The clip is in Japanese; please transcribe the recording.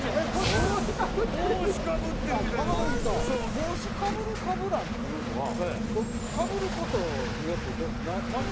帽子かぶるかぶらんっていうのはかぶる事によって何か違うんですか？